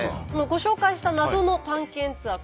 ご紹介した謎の探検ツアー。